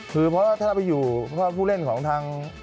คือเพราะถ้าไปอยู่พวกผู้เล่นของทาง